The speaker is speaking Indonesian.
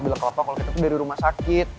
bila kelapa kalau kita udah di rumah sakit